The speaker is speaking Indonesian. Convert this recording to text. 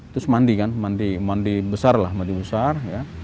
terus mandi kan mandi mandi besar lah mandi besar